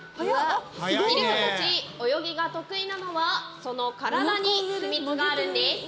イルカたち泳ぎが得意なのはその体に秘密があるんです。